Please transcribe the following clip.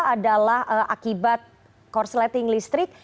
adalah akibat cross lighting listrik